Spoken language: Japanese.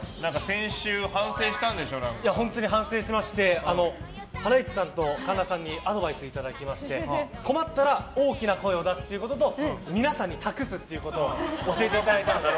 本当に反省しましてハライチさんと神田さんにアドバイスをいただきまして困ったら大きな声を出すということと皆さんに託すということを教えてもらったので。